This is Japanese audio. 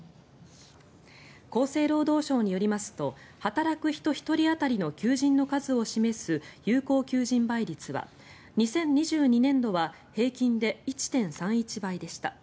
厚生労働省によりますと働く人１人当たりの求人の数を示す有効求人倍率は、２０２２年度は平均で１．３１倍でした。